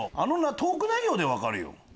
トーク内容で分かるよ。